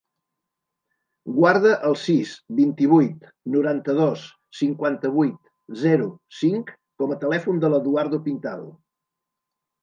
Guarda el sis, vint-i-vuit, noranta-dos, cinquanta-vuit, zero, cinc com a telèfon de l'Eduardo Pintado.